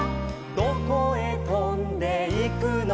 「どこへとんでいくのか」